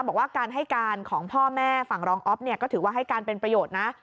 บอกว่าการให้การของพ่อแม่ฝั่งรองอ๊อฟเนี่ยก็ถือว่าให้การเป็นประโยชน์นะ